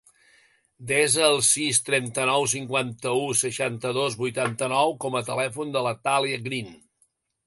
Desa el sis, trenta-nou, cinquanta-u, seixanta-dos, vuitanta-nou com a telèfon de la Thàlia Green.